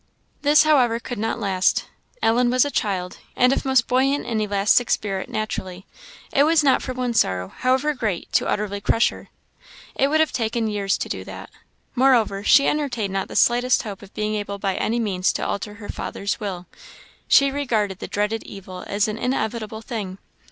This, however, could not last. Ellen was a child, and of most buoyant and elastic spirit naturally; it was not for one sorrow, however great, to utterly crush her. It would have taken years to do that. Moreover, she entertained not the slightest hope of being able by any means to alter her father's will. She regarded the dreaded evil as an inevitable thing.